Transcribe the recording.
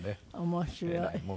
面白い。